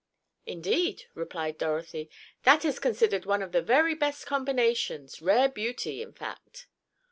"Indeed," replied Dorothy, "that is considered one of the very best combinations. Rare beauty, in fact."